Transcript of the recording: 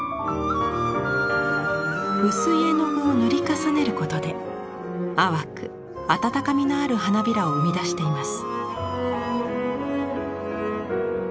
薄い絵の具を塗り重ねることで淡く温かみのある花びらを生み出しています。